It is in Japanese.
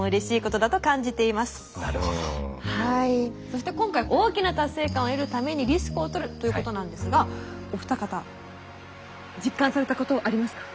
そして今回大きな達成感を得るためにリスクをとるということなんですがお二方実感されたことありますか？